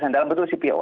dalam waktu cpo